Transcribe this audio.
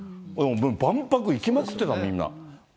万博行きまくってたもん、みんな。